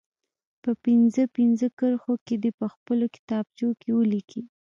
په پنځه پنځه کرښو کې دې په خپلو کتابچو کې ولیکي.